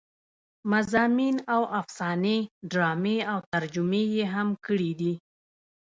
مضامين او افسانې ډرامې او ترجمې يې هم کړې دي